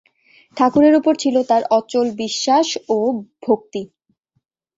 ঠাকুরের উপর ছিল তার অচল বিশ্বাস ও ভক্তি।